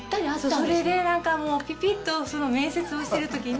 それでなんかもうピピッとその面接をしてるときに。